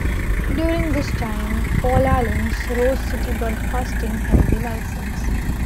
During this time, Paul Allen's Rose City Broadcasting held the license.